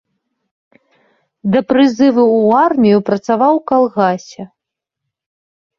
Да прызыву ў армію працаваў у калгасе.